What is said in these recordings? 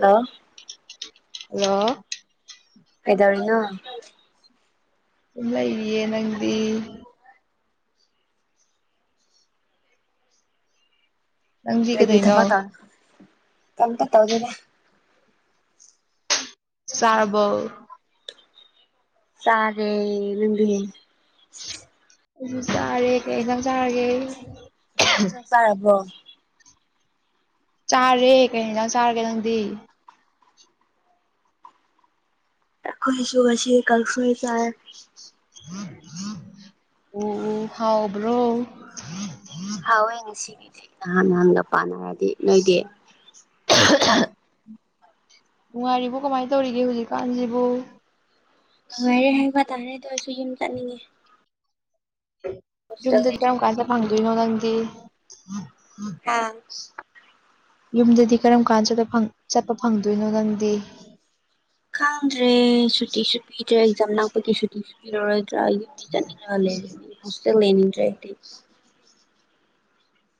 hello ꯍꯂ ꯍꯥꯏꯗꯔꯤꯅ ꯆꯂ ꯏꯌꯦ ꯅꯪꯗꯤ ꯉꯪꯤ ꯀꯗꯅꯣ ꯀꯝꯇ ꯇꯧꯗꯦꯗ ꯁꯥꯔꯔꯕꯧ ꯁꯥꯒꯦ ꯂꯦ ꯑꯗꯨ ꯆꯥꯔꯦ ꯀꯩꯛꯇ ꯆꯥꯔꯒꯦ ꯔꯕꯣ ꯆꯥꯔꯦ ꯀꯩ ꯌꯦꯟꯖꯥꯡ ꯆꯥꯔꯒꯦ ꯅꯪꯗꯤ ꯑꯈꯣꯏꯁꯨꯁ ꯀꯛꯁꯨꯣꯏ ꯆꯥꯏ ꯑꯣ ꯍꯥꯎꯕ꯭ꯔꯣ ꯍꯥꯎꯋꯦ ꯉꯁꯤꯒꯤꯗꯤ ꯅꯍꯥꯟ ꯅꯍꯥꯟꯒ ꯄꯥꯟꯅꯔꯗꯤ ꯅꯣꯏꯗꯤ [unintelligible] ꯅꯨꯡꯉꯥꯏꯔꯤꯕ ꯀꯃꯥꯏꯅ ꯇꯧꯔꯤꯒꯦ ꯍꯧꯖꯤꯛꯀꯥꯟꯁꯤꯕꯨ ꯉꯥꯏꯔꯦ ꯍꯥꯏꯕ ꯇꯥꯔꯦꯗꯣ ꯑꯩꯁꯨ ꯌꯨꯝ ꯆꯠꯅꯤꯡꯉꯦ ꯍꯣꯁꯇꯦꯜ ꯌꯗ ꯀ ꯂꯩꯇ꯭ꯔꯦ ꯑꯩꯗꯤ ꯀꯥꯏꯁ ꯐꯥꯡꯪꯗꯏ ꯅꯣ ꯅꯪꯗꯤ ꯑ ꯌꯨꯝꯗꯗꯤ ꯀꯔꯝ ꯀꯥꯟ ꯆꯠꯄ ꯐꯪꯗꯣꯏꯅꯣ ꯅꯪꯗꯤ ꯈꯪꯗ꯭ꯔꯦ ꯁꯨꯇꯤꯁꯨ ꯄꯤꯗ꯭ꯔꯦ ꯑꯦꯛꯖꯥꯝ ꯂꯥꯛꯄꯒꯤ ꯁꯨꯇꯤꯁꯨ ꯄꯤꯔꯨꯔꯣꯏ ꯍꯧꯁꯇ ꯂꯩꯅꯤꯡ ꯆ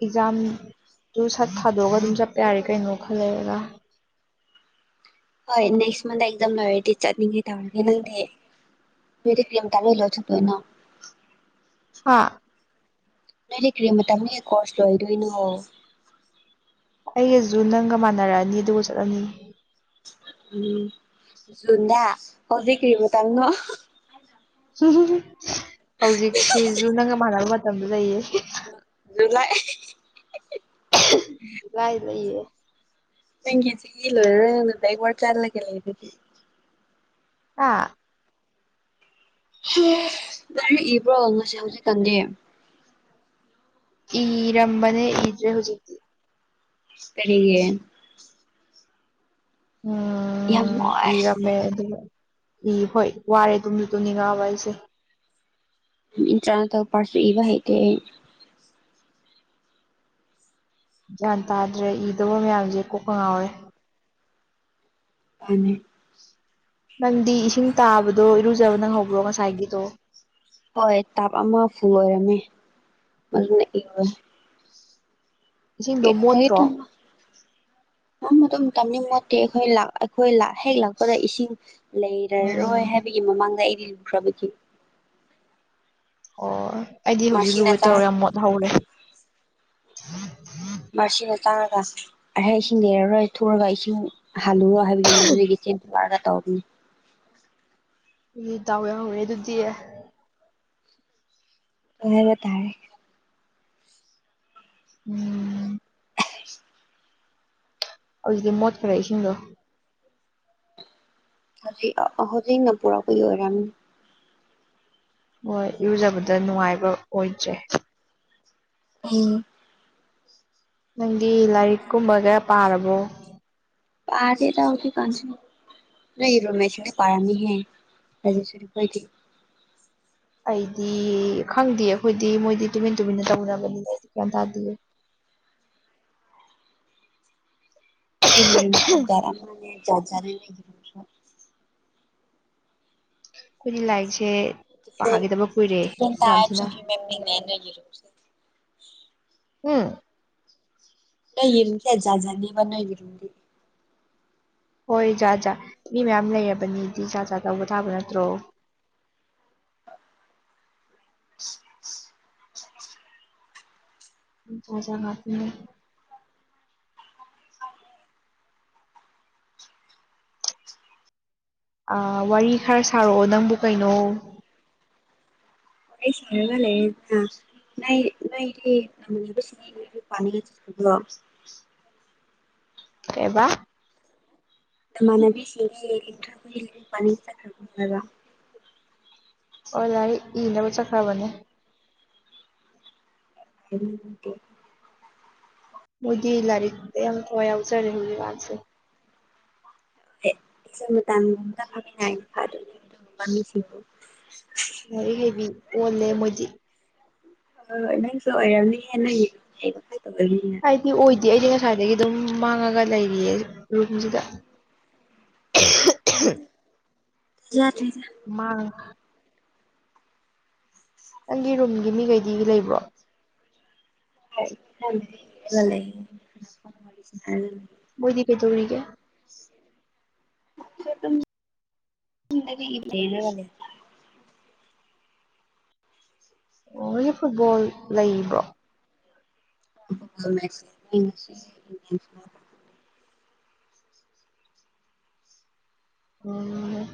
ꯑꯦꯛꯖꯥꯝꯗꯨ ꯁꯠ ꯊꯥꯗꯣꯛꯑꯒ ꯑꯗꯨꯝ ꯆꯠꯄ ꯌꯥꯔꯦ ꯀꯩꯅꯣ ꯈ ꯂꯩꯔꯒ ꯍꯣꯏ ꯅꯦꯛꯁ ꯃꯟꯊ ꯑꯦꯛꯖꯥꯝ ꯂ ꯇꯤꯆꯔꯦ ꯇꯧꯒ ꯅꯦ ꯃꯗꯤ ꯀꯂꯤ ꯇꯥꯔ ꯂꯣ ꯆꯗꯅ ꯍꯥꯥ ꯅꯣꯏ ꯂꯩ ꯀ꯭ꯔꯤ ꯃꯇꯝꯅꯤ ꯀꯣꯔꯁ ꯂꯣꯏꯗꯣꯏꯅꯣ ꯑꯩꯒꯖꯨ ꯅꯪꯒ ꯃꯥꯟꯅꯔꯛꯑꯅꯤ ꯑꯗꯨꯒ ꯆꯠꯂꯅꯤ ꯎꯝ ꯖꯨꯟꯗꯥ ꯀꯕꯤ ꯀꯔꯤꯃ ꯇꯪꯅ ꯍꯧꯖꯤꯛ ꯁꯤꯦꯖꯨ ꯅꯪ ꯃꯅ ꯖꯨꯂꯥꯏ ꯨꯂꯥꯏ ꯂꯩꯏꯌꯦ ꯄꯦꯡ ꯆ ꯏꯂꯗꯥ ꯋꯥ ꯆꯥ ꯑꯥ ꯂꯥꯏꯔꯤꯛ ꯏꯕ꯭ꯔꯣ ꯉꯁꯤ ꯍꯧꯖꯤꯛꯀꯥꯟꯗꯤ ꯏꯔꯝꯕꯅꯦ ꯏꯗ꯭ꯔꯦ ꯍꯧꯖꯤꯛꯇꯤ ꯀꯔꯤꯒꯦ ꯎꯝ ꯏꯔꯝꯃꯦ ꯅꯣꯏꯁ ꯑꯗꯨ ꯎ ꯍꯣꯏ ꯋꯥꯔꯦ ꯑꯗꯨꯝꯁꯨ ꯇꯅꯤꯉꯥꯕꯏꯁꯦ ꯏꯟ ꯆꯅ ꯇꯧ ꯄꯔꯁꯨ ꯏꯕ ꯍꯥꯏꯩꯗꯦ ꯒ꯭ꯌꯥꯟ ꯇꯥꯗ꯭ꯔꯦ ꯏꯗꯕ ꯃꯌꯥꯝꯁꯦ ꯀꯣꯛꯀ ꯉꯥꯎꯋꯦ ꯍꯥꯏꯅꯤ ꯅꯪꯗꯤ ꯏꯁꯤꯡ ꯇꯥꯕꯗꯣ ꯏꯔꯨꯖꯕ ꯅꯪ ꯍꯧꯕ꯭ꯔꯣ ꯉꯁꯥꯏꯒꯤꯗꯣ ꯍꯣꯏ ꯇꯥꯞ ꯑꯃ ꯍꯐꯨ ꯑꯣꯏꯔꯝꯃꯦ ꯑꯗꯨꯗꯨꯅ ꯏꯔ ꯏꯁꯤꯡꯗꯣ ꯃꯣꯠꯇ꯭ꯔꯣ ꯃꯇꯝ ꯃꯣꯠꯇꯦ ꯑꯩꯈꯣꯏ ꯑꯩꯈꯣꯏ ꯍꯦꯛ ꯂꯥꯛꯄꯗ ꯏꯁꯤꯡ ꯂꯩꯔꯔꯣꯏ ꯎꯝ ꯍꯥꯏꯕꯒꯤ ꯃꯃꯥꯡꯗ ꯑꯩꯗꯤ ꯂꯨꯈ꯭ꯔꯕꯒꯦ ꯑꯣ ꯑꯩꯗꯤ ꯍꯧꯖꯤꯛ ꯂꯨꯔꯦ ꯇꯧꯔꯦ ꯌꯥꯝ ꯃꯣꯠ ꯍꯧꯔꯦ ꯃꯔꯆꯅ ꯇꯥꯡꯔꯒ ꯑꯩꯍꯦꯛ ꯏꯁꯤꯡ ꯂꯩꯔꯔꯣꯏ ꯊꯨꯔꯒ ꯏꯁꯤꯡ ꯍꯥꯜꯂꯨꯔꯣ ꯍꯥꯏꯕꯒꯤ ꯃꯗꯨꯗꯒꯤ ꯀ ꯂꯒ ꯇꯧꯅꯤ ꯎ ꯇꯋꯦ ꯑꯗꯨꯗꯤꯌꯦ ꯑꯣꯏꯕ ꯇꯔꯦ ꯎꯝ ꯍꯧꯖꯤꯛꯇꯤ ꯃꯣꯠꯈꯔꯦ ꯏꯁꯤꯡꯗꯣ ꯍꯧꯖꯤꯛ ꯍꯧꯖꯤꯛꯅ ꯄꯨꯔꯛꯕꯨꯏ ꯑꯣꯏꯔꯝ ꯍꯣꯏ ꯏꯨꯖꯕꯗ ꯅꯨꯡꯉꯥꯏꯕ ꯑꯣꯏꯗ꯭ꯔꯦ ꯎꯝ ꯅꯪꯗꯤ ꯂꯥꯏꯔꯤꯛ ꯀꯨꯝꯕꯒ ꯄꯥꯔꯕꯣ ꯄꯥꯗꯦꯗ ꯍꯧꯗꯤ ꯀꯁꯤ ꯅ ꯔꯣꯃꯦꯁꯦ ꯄꯔꯅꯤꯍꯦ ꯔꯗꯤ ꯑꯩꯗꯤ ꯈꯪꯗꯦ ꯑꯩꯈꯣꯏꯗꯤ ꯃꯣꯏꯗꯤ ꯇꯨꯃꯤꯟ ꯇꯨꯃꯤꯟꯅ ꯇꯧꯔꯕꯅꯤꯅ ꯑꯩꯗꯤ ꯒ꯭ꯌꯥꯟ ꯇꯥꯗꯦꯌꯦꯦ [inaudible] ꯅ ꯍꯦꯔꯝ ꯁꯣ ꯔ ꯃ ꯆꯖꯖꯅꯦ ꯅ ꯍꯔꯝꯁꯣ ꯀꯣꯏꯗꯤ ꯂꯥꯏꯛꯁꯦ ꯗꯤꯐ꯭ꯔꯦꯟ ꯄꯥꯒꯤꯗꯕ ꯀꯨꯏꯔꯦ ꯗꯤꯐ꯭ꯔꯦꯟ ꯌꯥꯝ ꯇꯥꯏꯞꯁ ꯊꯤꯅ ꯑꯣꯐ ꯍ꯭ꯌꯨꯃꯦꯟ ꯕꯤꯡꯅꯦ ꯅꯣꯏꯒꯤ ꯔꯨꯝꯁꯦ ꯎꯝ ꯅ ꯏꯔꯦꯖꯖꯅꯤꯕ ꯅ ꯏꯔꯗꯤ ꯍꯣꯏ ꯖꯥꯖꯥ ꯃꯤ ꯃꯌꯥꯝ ꯂꯩꯔꯕꯅꯤꯗꯤ ꯆꯖꯥ ꯆꯥ ꯇꯧꯕ ꯊꯥꯕ ꯅꯠꯇ꯭ꯔꯣ [inaudible] [inaudible] ꯆꯥꯖꯥ ꯉꯇꯅꯤ ꯑ ꯋꯥꯔꯤ ꯈꯔ ꯁꯥꯔꯛꯑꯣ ꯅꯪꯕꯨ ꯀꯩꯅꯣ ꯍꯔ ꯁꯂꯒ ꯂꯩ ꯅ ꯅꯗꯤꯁꯤ ꯄꯅꯤꯡꯒ ꯑ ꯀꯕꯥ ꯑ ꯃꯅꯕꯤ ꯁꯤꯕ ꯏꯇ ꯈꯨꯏꯜ ꯄꯅꯤꯇ ꯀꯥ ꯑꯣ ꯂꯥꯏꯔꯤꯛ ꯏꯅꯕ ꯆꯠꯈ꯭ꯔꯕꯅꯦ ꯍꯦ ꯃꯗꯤ ꯂꯔꯤꯛ ꯑꯦꯝ ꯊꯧꯋꯥꯏ ꯑꯖꯔꯔꯦꯍꯒꯤ ꯋꯥꯁ ꯇꯁꯤ ꯂꯥꯏꯔꯤꯛ ꯍꯩꯕꯤ ꯑꯣꯜꯂꯦ ꯃꯣꯏꯗꯤ ꯑ ꯅꯪꯁꯨ ꯑꯣꯏꯔꯅꯤ ꯍꯦꯟꯅ ꯌꯦ ꯍꯥꯏꯗꯤ ꯑꯣꯏꯗꯤ ꯁ꯭ꯋꯥꯏꯗꯒꯤ ꯑꯗꯨꯝ ꯃꯥꯡꯉꯒ ꯂꯩꯔꯤꯌꯦ ꯔꯨꯝꯁꯤꯗ [unintelligible] ꯊꯥꯖꯗ꯭ꯔꯦꯗ ꯑꯃ ꯅꯪꯒꯤ ꯔꯨꯝꯒꯤ ꯃꯤꯈꯩꯗꯤ ꯂꯩꯕ꯭ꯔꯣ [unintelligible] ꯃꯣꯏꯗꯤ ꯀꯦ ꯆꯧꯅꯤ ꯀ [unintelligible] ꯑꯣꯒꯤ ꯐꯨꯠꯕꯣꯜ ꯂꯩꯕ꯭ꯔꯣ ꯏꯟ ꯑꯣꯝ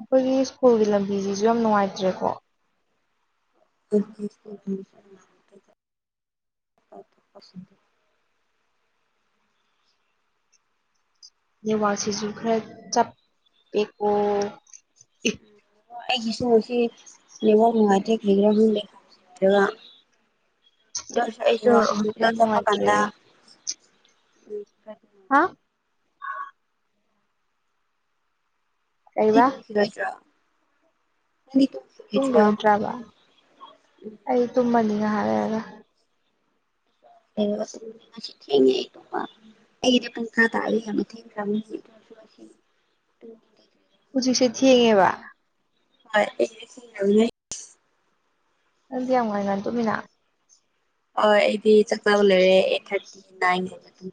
ꯑꯩꯈꯣꯏꯒꯤ ꯁ꯭ꯀꯨꯜꯒꯤ ꯂꯝꯕꯤꯁꯤꯁꯨ ꯌꯥꯝ ꯅꯨꯡꯉꯥꯏꯇ꯭ꯔꯦꯀꯣ [unintelligible] ꯅꯦꯋꯥꯛꯁꯤꯖꯨ ꯈꯔ ꯆꯞꯄꯀ ꯎꯝ ꯑꯩꯒꯤꯁꯨꯁꯤ ꯂꯩꯕꯥꯛ ꯅꯨꯡꯉꯥꯏꯇ꯭ꯔꯦ ꯂꯩꯒ꯭ꯔꯥ ꯂꯩ ꯑꯗꯨꯒ [unintelligible] ꯁꯨ ꯅꯦꯠꯋꯥꯛꯁꯤꯁꯨ ꯍꯣꯄꯤꯜ ꯈꯔ ꯆꯄ ꯅꯨꯡꯉꯥꯏꯇ꯭ꯔꯦ ꯀꯥꯟꯗ ꯍꯥ ꯀꯩꯕꯥ [unintelligible] ꯅꯪꯗꯤ ꯇꯨꯝꯈꯤꯔꯣꯏꯗ꯭ꯔꯣ ꯇꯨꯝꯕꯤꯔꯣꯗ꯭ꯔꯕ ꯑꯩ ꯇꯨꯝꯃꯅꯤꯅ ꯍꯥꯏꯔꯑꯒ ꯑꯩ ꯄ ꯈꯥ ꯇ ꯊ [unintelligible] ꯁꯦ ꯊꯦꯡꯉꯦꯕ ꯍꯣꯏꯁꯨ ꯌꯥꯝ ꯑꯗꯨꯗꯤ ꯌꯥꯝ ꯅꯨꯡꯉꯥꯏ ꯉꯥꯟ ꯇꯨꯃꯤꯅꯥ ꯍ ꯑꯩꯗꯤ ꯆꯥꯛ ꯆꯕ ꯂꯩꯔꯦ ꯑꯩꯠ ꯊꯥꯔꯇꯤ ꯅꯥꯏꯟ ꯃꯇꯨꯡ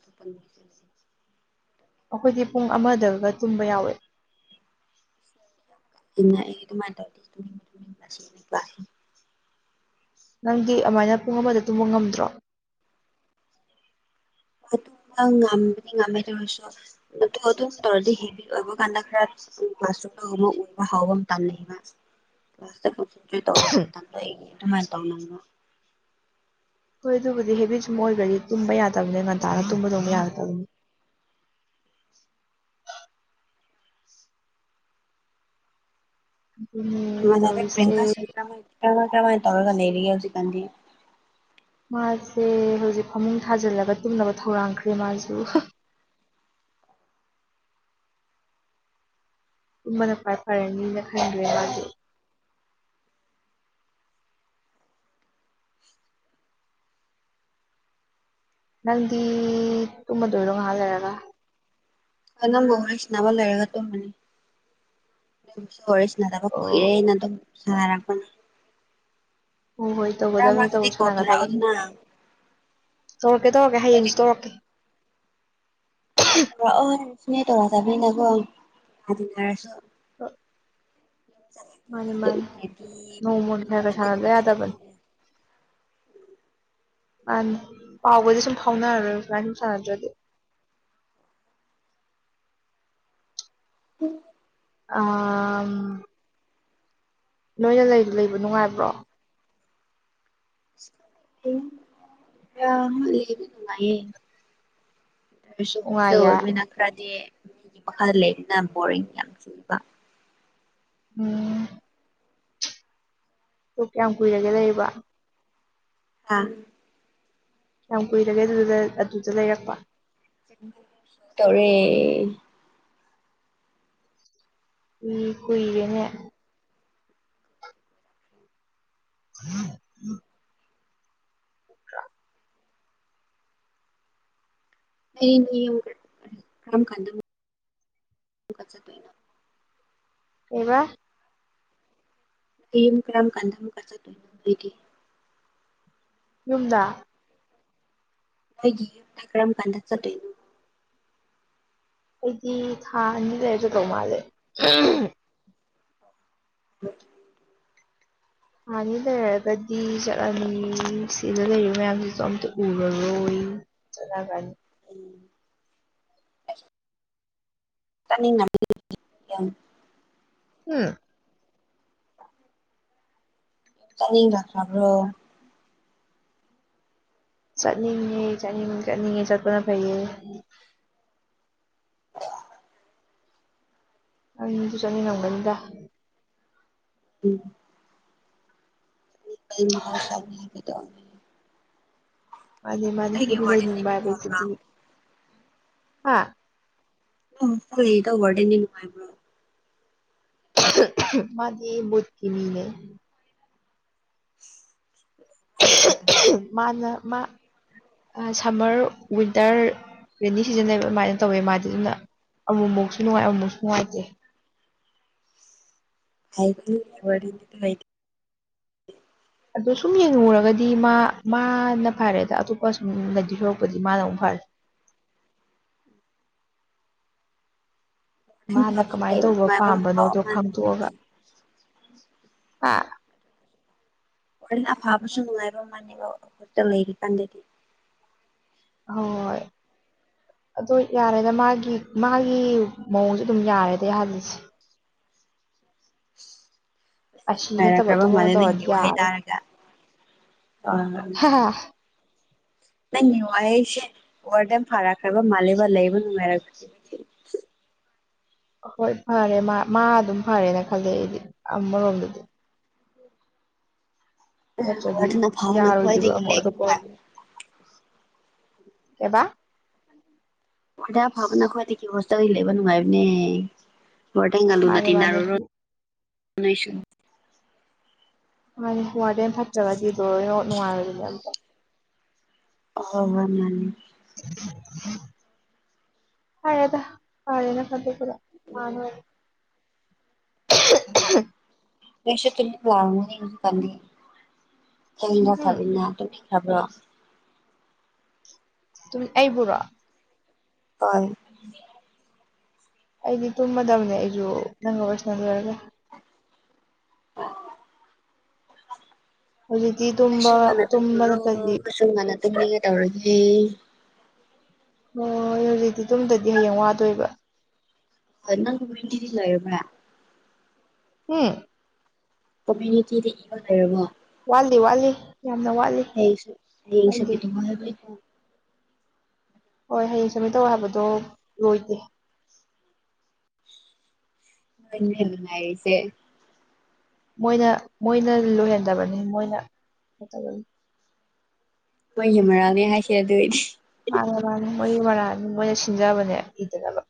ꯑꯩꯈꯣꯏꯗꯤ ꯄꯨꯡ ꯑꯃꯗꯒ ꯇꯨꯝꯕ ꯌꯥꯎꯋꯏ ꯏ ꯑꯗꯨꯥꯏ ꯇꯁꯤꯦ ꯅꯪꯗꯤ ꯑꯗꯨꯃꯥꯏꯅ ꯄꯨꯡ ꯑꯃꯗ ꯇꯨꯝꯕ ꯉꯝꯗ꯭ꯔꯣ ꯇꯨꯡ ꯉ ꯉꯝꯥꯏ ꯊꯔꯁ ꯇꯍ ꯑꯗꯨ ꯇꯔꯗꯤ ꯍꯦꯕꯤꯕ ꯀꯥꯟꯗ ꯈꯔ ꯎ ꯋꯥ ꯁꯃ ꯎꯕ ꯍꯕꯝ ꯇꯜꯂꯤꯩꯕ ꯀ꯭ꯂꯥꯁꯇꯟ ꯇꯧꯔꯨꯕ ꯃꯇꯝꯗ ꯑꯩꯒꯤ ꯑꯗꯨꯃꯥꯏꯅ ꯇꯧꯅꯤꯡꯅꯕ ꯍꯣꯏ ꯑꯗꯨꯕꯨꯗꯤ ꯍꯦꯕꯤ ꯆꯨꯝ ꯑꯣꯏꯒꯗꯤ ꯇꯨꯝꯕ ꯌꯥꯗꯕꯅꯤ ꯉ ꯇꯅ ꯇꯝꯕ ꯑꯗꯨꯃ ꯍꯥꯏ ꯇ ꯑꯗꯨꯅꯤ ꯑꯗꯨꯅꯦ ꯃꯅꯦ ꯄꯤꯌꯥꯡꯀꯥ ꯇꯧꯔꯤꯁꯦ ꯁꯤꯅꯤꯃ ꯀ꯭ꯔꯃꯥꯏ ꯇꯧꯔꯒ ꯂꯩꯔꯤꯒꯦ ꯍꯧꯖꯤꯛꯀꯥꯟꯗꯤ ꯃꯥꯁꯦ ꯍꯧꯖꯤꯛ ꯐꯃꯨꯡ ꯊꯥꯖꯤꯜꯂꯒ ꯇꯨꯝꯅꯕ ꯊꯧꯔꯥꯡꯈ꯭ꯔꯦ ꯃꯥꯁꯨ [unintelligible] ꯎꯕꯅ ꯄꯥꯏ ꯐꯔꯦ ꯃꯤꯅ ꯈꯥꯏꯗ꯭ꯔꯦ ꯃꯥꯒꯤ ꯅꯪꯗꯤ ꯇꯨꯝꯝꯕ ꯗꯔꯣ ꯉ ꯍꯥꯜꯂꯔꯒ ꯍ ꯅꯪꯕꯨꯔꯁꯅꯥꯕ ꯂꯩꯔꯒ ꯇꯨꯝꯕꯅꯤ ꯇꯔꯁꯤ ꯅꯠꯇꯕ ꯀꯨꯏꯔꯦ ꯑꯣ ꯑꯩꯅ ꯑꯗꯨꯝ ꯁꯥꯟꯔꯛꯄꯅꯤ ꯍꯣꯏ ꯍꯣꯏ ꯔ ꯇꯧꯒꯗꯕꯅꯤ ꯇꯧ ꯃ꯭ꯔꯀꯤꯗꯤ ꯀꯣꯗꯔ ꯁꯥꯟꯅꯒꯗꯕꯅꯤ ꯑꯣꯗꯨꯅ ꯇꯧꯔꯛꯀꯦ ꯇꯧꯔꯀꯦ ꯍꯌꯦꯡꯁꯨ ꯇꯧꯔꯀꯦ ꯑꯣ ꯁꯅꯦ ꯇꯣꯔꯥ ꯇꯥꯕꯤꯅꯀꯣꯔꯁꯨ ꯑ ꯃꯥꯅꯤ ꯃꯥꯅꯤ ꯎꯗ꯭ꯔꯗꯤ ꯅꯣꯡꯃ ꯐ ꯊꯥ ꯂꯩꯦ ꯇꯤꯟꯅꯗꯕꯒꯨꯝꯅ ꯑꯗꯕꯟ ꯂꯩꯌꯦ ꯑꯅꯤ ꯄꯥꯎꯒꯗꯤ ꯁꯨꯝ ꯐꯥꯎꯅꯔꯔꯣꯏ ꯐꯥꯏ ꯁ ꯁꯥꯟꯅꯗ꯭ꯔꯗꯤ ꯎ ꯑ ꯅꯣꯏꯅ ꯂꯩ ꯂꯩꯕ ꯅꯨꯡꯉꯥꯏꯕ꯭ꯔꯣ ꯑ ꯍ ꯀꯃꯌꯦ ꯁꯨ ꯍꯣꯁꯇ ꯅꯨꯡꯉꯥꯏꯌꯦ ꯑꯣꯏꯕꯅꯤꯅ ꯈꯔꯗꯤ ꯃꯤꯒꯤ ꯃꯈꯥꯗ ꯂꯩꯕꯅ ꯕꯣꯔꯤꯡ ꯌꯥꯝ ꯀꯨꯏꯕ ꯎꯝ ꯀꯌꯥꯝ ꯀꯨꯏꯔꯒꯦ ꯂꯩꯕ ꯑꯥ ꯀꯌꯥꯝ ꯀꯨꯏꯔꯒꯦ ꯑꯗꯨ ꯑꯗꯨꯗ ꯂꯩꯔꯛꯄ ꯇꯧꯔꯦ ꯎ ꯀꯏꯔꯅꯦ ꯍꯝ ꯎꯝ ꯎ꯭ꯔꯥ ꯀ ꯈꯥꯟꯗ ꯑꯦꯕꯥ ꯑꯩꯨꯝ ꯀꯔꯝ ꯀꯥꯟꯗꯝ ꯀ ꯌꯨꯝꯗ ꯑꯩꯒꯤ ꯇꯔꯝ ꯀꯗ ꯆ ꯑꯩꯗꯤ ꯊꯥ ꯑꯅꯤ ꯂꯩꯔꯁꯨꯗꯧ ꯃꯥꯜꯂꯦ ꯍ ꯍꯥꯟꯅꯤ ꯂꯩꯔꯒꯗꯤ ꯆꯠꯂꯅꯤ ꯁꯤꯗ ꯂꯩꯔꯤꯕ ꯃꯌꯥꯝꯁꯤꯁꯨ ꯑꯝꯇ ꯎꯔꯔꯣꯏ ꯆꯂꯒꯅꯤ ꯎꯝ ꯇꯅꯤꯡ ꯎꯝ ꯥꯛꯔꯕ꯭ꯔꯣ ꯆꯠꯅꯤꯡꯦ ꯆꯠꯅꯤꯡ ꯆꯠꯅꯤꯡꯉꯦ ꯆꯠꯄꯅ ꯐꯩꯌꯦ ꯑ ꯃꯤꯗꯨ ꯆꯅꯤ ꯅꯪꯒꯅꯤꯗ ꯎꯝ ꯃꯍꯁꯥꯗ ꯃꯥꯅꯤ ꯃꯥꯅꯤ ꯋꯥꯔꯗꯦꯟꯗꯤ ꯍꯗꯏꯅꯤꯕꯥꯏ ꯃꯤ ꯐꯕ꯭ꯔꯥ ꯀꯩꯁꯗꯤ ꯍꯥꯥ ꯐꯗ ꯋꯥꯔꯗꯦꯟꯗꯤꯅꯨꯡꯉꯥꯏꯕ꯭ꯔꯣ ꯃꯥꯗꯤ ꯃꯠꯀꯤꯅꯤ ꯂꯩ [inaudible] ꯋꯥꯔꯗꯦꯟ ꯃꯥꯅ ꯃꯥ ꯁꯝꯃꯔ ꯋꯤꯟꯇꯔ ꯔꯦꯅꯤ ꯁꯤꯖꯟꯅꯦꯕ ꯑꯗꯨꯃꯥꯏꯅ ꯇꯧꯋꯦ ꯃꯥꯗꯤ ꯑꯗꯨꯅ ꯑꯃꯨꯛꯃꯨꯛꯁꯨ ꯅꯨꯡꯉꯥꯏ ꯑꯃꯨꯛꯁꯨ ꯅꯨꯡꯉꯥꯏꯇꯦ ꯍꯥꯏꯥꯏ ꯐ ꯋꯥꯔꯤꯗꯤ ꯍꯥꯏ ꯑꯗꯣ ꯁꯨꯝ ꯌꯦꯡꯉꯨꯔꯒꯗꯤ ꯃꯥ ꯃꯥꯅ ꯐꯔꯦꯗ ꯑꯇꯣꯞꯄ ꯁꯨꯝꯅꯗꯤ ꯁꯔꯛꯄꯗꯤ ꯃꯥꯅ ꯑꯃꯨꯛ ꯐꯔꯦ [inaudible] ꯃꯥꯅ ꯐꯕꯁꯨ ꯀꯃꯥꯏꯅ ꯂꯩꯕ ꯇꯧꯕ ꯅꯨꯡꯉꯥꯏꯕ ꯃꯍꯥꯎ ꯄꯥꯝꯕꯅꯣꯗꯣ ꯑꯃꯅꯤ ꯈꯪꯗꯣꯛꯑꯒ ꯑꯥ ꯍꯣꯔꯅ ꯑꯐꯥꯕꯁꯨ ꯅꯨꯡꯉꯥꯏꯕ ꯃꯥꯜꯂꯕ ꯑꯩꯛꯇ ꯂꯩꯔꯤ ꯀꯥꯟꯗꯗꯤ ꯍꯣꯏ ꯑꯣ ꯌꯥꯔꯦꯗ ꯃꯥꯒꯤ ꯃꯥꯒꯤ ꯃꯑꯣꯡꯁ ꯑꯗꯨꯝ ꯌꯥꯔꯦꯗ ꯑꯩꯍꯜꯂꯤꯁꯦ ꯑ ꯁꯤꯃꯦꯠꯇꯕ ꯅꯨꯡꯉꯥꯏꯔꯛꯈ꯭ꯔꯕ ꯃꯥꯜꯂꯦ ꯅꯪꯒꯤ ꯑꯌꯥ ꯋꯥꯍꯩ ꯇꯥꯔꯒ ꯑ ꯅꯪ ꯋꯥꯍꯩꯁꯦ ꯋꯥꯔꯗ ꯐꯥꯔꯛꯈ꯭ꯔꯕ ꯃꯥꯜꯂꯦꯕ ꯂꯩꯕ ꯅꯨꯡꯉꯥꯏꯔꯛ꯭ꯔꯦ [inaudible] ꯍꯣꯏ ꯐꯔꯦ ꯃꯥ ꯃꯥ ꯑꯗꯨꯝ ꯐꯔꯦꯅ ꯈꯜꯂꯦ ꯑꯩꯗꯤ ꯑꯃꯔꯣꯝꯗꯗꯤ ꯅꯠꯇ꯭ꯔꯗꯤ ꯋꯥꯔꯗꯟ ꯑꯐꯥꯕꯅ ꯌꯥꯔꯣꯏꯗꯕ ꯈ꯭ꯋꯥꯏꯗꯒꯤ ꯑꯃꯨꯛ ꯂꯩꯕ ꯑꯗꯨ ꯅꯨꯡꯉꯥꯏꯕꯅꯦ ꯀꯕꯥ ꯍꯣꯏꯗꯥ ꯐꯕꯅ ꯈ꯭ꯋꯥꯏꯗꯒꯤ ꯀ ꯍꯣꯁꯇ ꯂꯩꯕ ꯅꯨꯡꯉꯥꯏꯕꯅꯦ ꯔ ꯇꯥꯏꯉ ꯂꯨꯅ ꯃꯥꯅꯦ ꯃꯥꯅꯦ ꯇꯅꯔ ꯥꯏꯁꯨ ꯃꯥ ꯋꯥꯔꯗꯦꯟ ꯐꯠꯇ꯭ꯔꯕꯗꯤꯗꯣꯅꯣ ꯅꯨꯡꯉꯥꯏꯔꯗꯨꯅꯦ ꯑꯝꯇ ꯑꯣ ꯃꯥꯅꯦ ꯍꯥꯏꯔꯗ ꯄꯥꯔꯅ ꯐꯗ ꯄꯨꯔ ꯃꯥꯅꯦ [unintelligible] [unintelligible] ꯁ ꯂꯥꯎꯅꯤ ꯀꯗ ꯎꯝ ꯐꯕꯤꯅ ꯑꯗꯨ ꯊꯕ꯭ꯔꯣ ꯑꯩꯕꯨꯔꯣ ꯑꯣ ꯑꯩꯗꯤ ꯇꯨꯝꯃꯗꯕꯅꯦ ꯑꯩꯁꯨ ꯅꯪꯒ ꯁꯅ ꯂꯣꯏꯔꯒ ꯍꯧꯖꯤꯛꯇꯤ ꯇꯨꯝꯕ ꯂꯥꯏꯁ ꯉꯅ ꯇꯨꯝꯕ ꯇꯨꯝꯂꯨꯔꯣ ꯅꯠꯇꯗꯤ ꯈꯨꯣꯏꯁꯨꯝ ꯉꯅ ꯇꯨꯝꯅꯤꯡꯒꯦ ꯇꯧꯔꯒꯦ ꯑꯣꯣꯏꯣꯏ ꯍꯧꯖꯤꯛꯇꯤ ꯇꯝꯗꯗꯤ ꯍꯌꯦꯡ ꯋꯥꯗꯣꯏꯕ ꯑꯗꯨ ꯅ ꯑꯣꯏꯣꯏꯇꯤꯔꯂ ꯑꯦꯕ ꯎꯝ ꯀꯃ꯭ꯌꯨꯅꯤꯇꯤꯗ ꯏꯕ ꯂꯩꯔꯕꯣ ꯋꯥꯠꯂꯤ ꯋꯥꯠꯂꯤ ꯌꯥꯝꯅ ꯋꯥꯠꯂꯤ ꯍꯁ ꯅꯪꯒꯤ ꯍꯁꯦꯇꯃ ꯍꯕ ꯍꯣꯏ ꯍꯌꯦꯡ ꯁꯨꯃꯤꯠ ꯇꯧ ꯍꯥꯏꯕꯗꯣ ꯂꯣꯏꯗꯦ ꯉꯁꯦ ꯃꯣꯏꯅ ꯃꯣꯏꯅ ꯂꯣꯏꯍꯟꯗꯕꯅꯤ ꯃꯣꯏꯅꯩꯅ ꯇꯅꯤ ꯃꯣꯏꯒꯤ ꯃꯔꯥꯜꯅꯦ ꯍꯥꯏꯈꯤ ꯑꯗꯨꯏꯅꯦ ꯃꯥꯅꯦ ꯃꯥꯅꯤ ꯃꯣꯏ ꯃꯔꯥꯅꯤ ꯃꯣꯏꯅ ꯁꯤꯟꯖꯕꯅꯦ ꯏꯗꯅꯕ